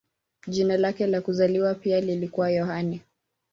Jina lake la kuzaliwa pia lilikuwa Yohane.